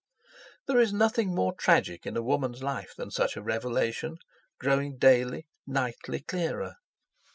There is nothing more tragic in a woman's life than such a revelation, growing daily, nightly clearer.